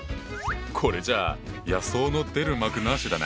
これじゃあ野草の出る幕なしだな。